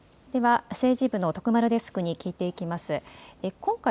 では、政治部の徳丸デスクに聞いていきます。